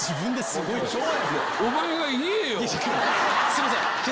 すいません！